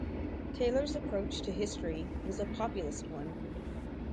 Taylor's approach to history was a populist one.